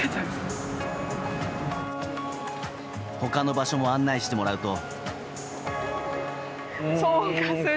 他の場所も案内してもらうと。